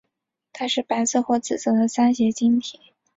它是白色或紫色的三斜晶体。